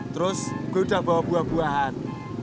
terus gue udah bawa buah buahan